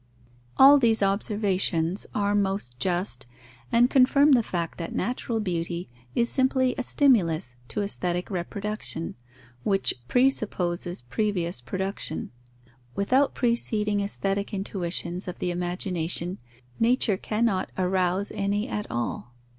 All these observations are most just, and confirm the fact that natural beauty is simply a stimulus to aesthetic reproduction, which presupposes previous production. Without preceding aesthetic intuitions of the imagination, nature cannot arouse any at all.